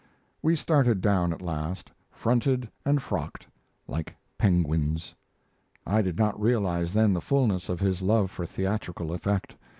We started down at last, fronted and frocked like penguins. I did not realize then the fullness of his love for theatrical effect.